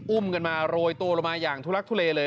อุ้มกันมาโรยตัวลงมาอย่างทุลักทุเลเลย